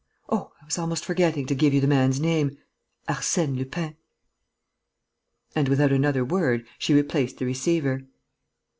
Oh, I was almost forgetting to give you the man's name: Arsène Lupin!" And, without another word, she replaced the receiver.